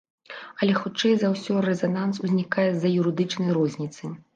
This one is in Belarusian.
Але хутчэй за ўсё, рэзананс узнікае з-за юрыдычнай розніцы.